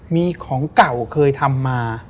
มีของเก่าเคยทำมา